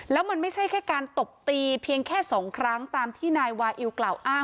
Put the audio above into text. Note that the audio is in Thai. แล้วมันไม่ใช่แค่การตบตีเพียงแค่สองครั้งตามที่นายวาอิวกล่าวอ้าง